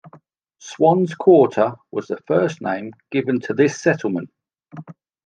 Swann's Quarter was the first name given to this settlement.